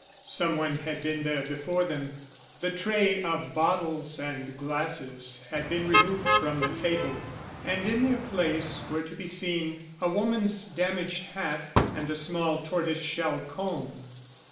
Some one had been there before them. The tray of bottles and glasses had been removed from the table, and in their place were to be seen a woman's damaged hat and a small tortoise shell comb.